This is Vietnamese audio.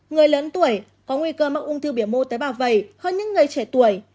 người lớn tuổi có nguy cơ mặc ung thư biểu mô tế bảo vẩy hơn những người trẻ tuổi